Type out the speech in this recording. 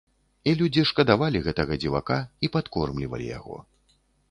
І людзі шкадавалі гэтага дзівака і падкормлівалі яго.